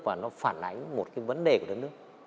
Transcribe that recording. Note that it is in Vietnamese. và nó phản ánh một cái vấn đề của đất nước